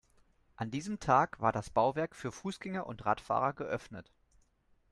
An diesem Tag war das Bauwerk für Fußgänger und Radfahrer geöffnet.